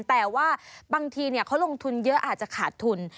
แต่ว่าบางทีเขาลงทุนเยอะอาจจะขาดทุน